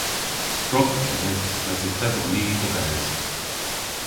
Drog yw genev mes yth eson ni dhe-ves.